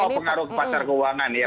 pengaruh ke pasar keuangan